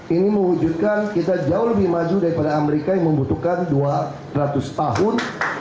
ini mewujudkan kita jauh lebih maju daripada amerika yang membutuhkan dua ratus tahun